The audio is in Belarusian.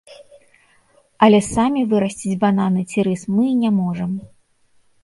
Але самі вырасціць бананы ці рыс мы і не можам.